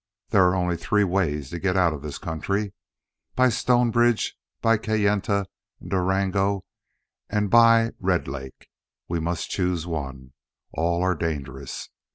There are only three ways to get out of this country. By Stonebridge, by Kayenta and Durango, and by Red Lake. We must choose one. All are dangerous.